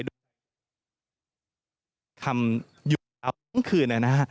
ด้วยคำอยู่เวลาทั้งคืน